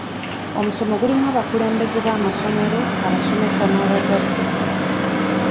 Omusomo gulimu abakulembeze b'amasomero, abasomesa n'abazadde.